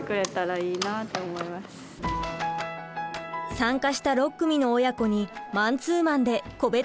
参加した６組の親子にマンツーマンで個別レッスン。